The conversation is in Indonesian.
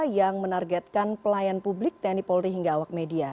yang menargetkan pelayan publik tni polri hingga awak media